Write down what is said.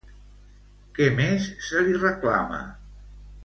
Què més se li reclama?